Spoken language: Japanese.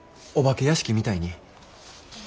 お化け屋敷みたいに。